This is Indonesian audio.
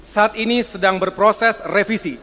saat ini sedang berproses revisi